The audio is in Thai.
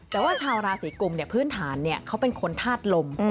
แต่ว่าชาวราศีกรุมเนี่ยพื้นฐานเขาเป็นคนทาดลม